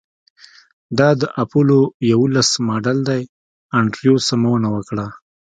دا د اپولو یوولس ماډل دی انډریو سمونه وکړه